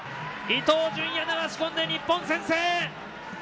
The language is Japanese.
伊東純也、流し込んで日本先制。